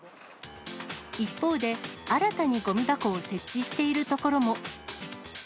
一方で、新たにごみ箱を設置している所も。